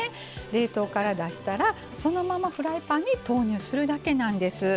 冷凍から出したらそのままフライパンに投入するだけなんです。